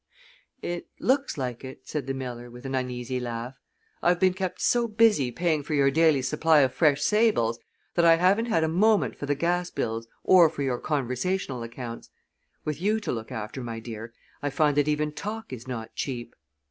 "It looks like it," said the miller, with an uneasy laugh. "I have been kept so busy paying for your daily supply of fresh sables that I haven't had a moment for the gas bills or for your conversational accounts. With you to look after, my dear, I find that even talk is not cheap."